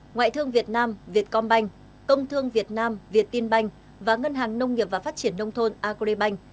ngoại thương việt nam việt com banh công thương việt nam việt tin banh và ngân hàng nông nghiệp và phát triển nông thôn agribank